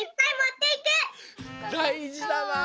だいじだな。